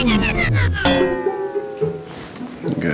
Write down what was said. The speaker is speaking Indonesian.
gak usah senyum senyum